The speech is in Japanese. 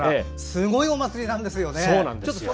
すごいお祭りなんですよね。